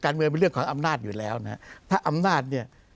เมืองเป็นเรื่องของอำนาจอยู่แล้วนะฮะถ้าอำนาจเนี่ย